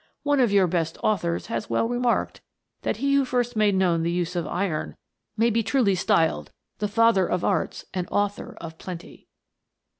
One of your best authors has well remarked, that he who first made known the use of iron may be truly styled the father of arts and author of plenty.